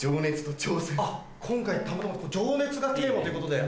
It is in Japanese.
あっ今回たまたま「情熱」がテーマということで。